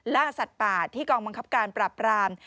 ล่าสัตว์ป่าที่กองบังคับการปราบราม